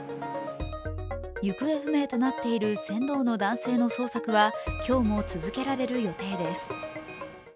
行方不明となっている船頭の男性の捜索は今日も続けられる予定です。